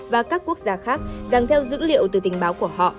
và các quốc gia khác rằng theo dữ liệu từ tình báo của họ